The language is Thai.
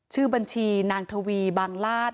ชื่อบัญชีนางทวีบางลาศ